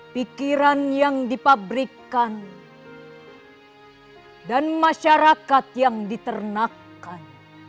pikiran yang dipabrikan dan masyarakat yang diternakan